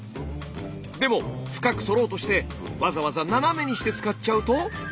でも深くそろうとしてわざわざ斜めにして使っちゃうと。